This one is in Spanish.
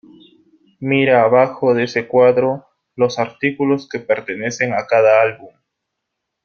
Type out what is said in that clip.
Mira abajo de ese cuadro los artículos que pertenecen a cada álbum.